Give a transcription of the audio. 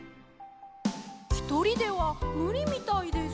ひとりではむりみたいです。